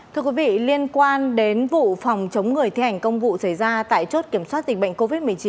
thưa quý vị liên quan đến vụ phòng chống người thi hành công vụ xảy ra tại chốt kiểm soát dịch bệnh covid một mươi chín